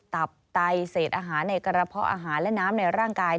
ตับไตเศษอาหารในกระเพาะอาหารและน้ำในร่างกาย